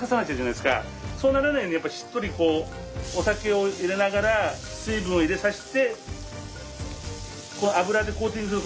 そうならないようにやっぱりしっとりこうお酒を入れながら水分を入れさして油でコーティングする。